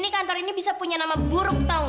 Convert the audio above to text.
di sini kantor ini bisa punya nama buruk tau gak